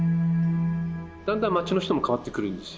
だんだんまちの人も変わってくるんですよ。